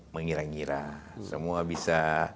mengira ngira semua bisa